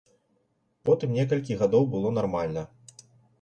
Потым некалькі гадоў было нармальна.